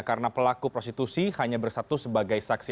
karena pelaku prostitusi hanya bersatu sebagai saksi